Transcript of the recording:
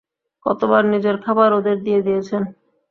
কতবার নিজের খাবার ওদের দিয়ে দিয়েছেন।